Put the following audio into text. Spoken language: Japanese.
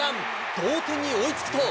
同点に追いつくと。